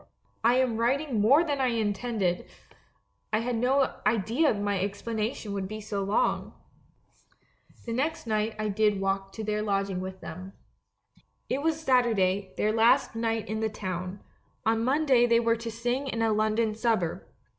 "I am writing more than I intended; I had no idea that my explanation would be so long! "The next night I did walk to their lodging with them. It was Saturday, their last night in the town; on Monday they were to sing in a London suburb.